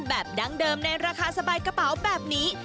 ดั้งเดิมในราคาสบายกระเป๋าแบบนี้